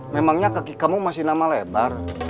memangnya kaki kamu masih nama lebar